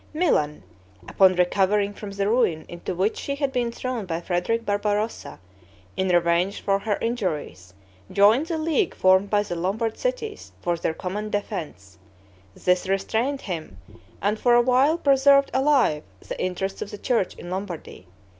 Milan, upon recovering from the ruin into which she had been thrown by Frederick Barbarossa, in revenge for her injuries, joined the league formed by the Lombard cities for their common defense; this restrained him, and for awhile preserved alive the interests of the church in Lombardy.